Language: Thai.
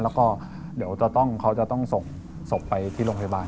แล้วก็เดี๋ยวเขาจะต้องส่งศพไปที่โรงพยาบาล